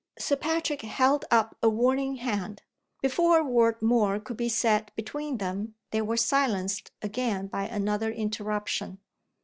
Sir Patrick held up a warning hand. Before a word more could be said between them they were silenced again by another interruption.